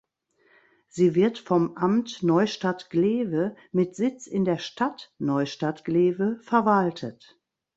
Sie wird vom Amt Neustadt-Glewe mit Sitz in der Stadt Neustadt-Glewe verwaltet.